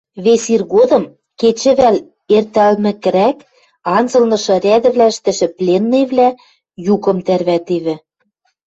Весиргодым, кечӹвӓл эртӓлмӹкӹрӓк, анзылнышы рӓдӹвлӓштӹшӹ пленныйвлӓ юкым тӓрвӓтевӹ: